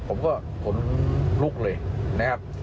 ผมก็ขนลุกเลยนะครับ